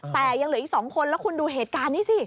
แต่ยังเหลืออีก๒คนแล้วคุณดูเหตุการณ์นี้สิ